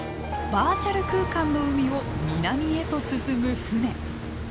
バーチャル空間の海を南へと進む船。